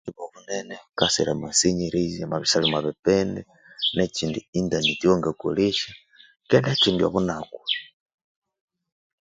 Obuthuku obunene bukasira amasenyerezi amabya isyali omwa bipindi nekyindi e intaneti eyawangakolesya keghe nekyindi obunakwa.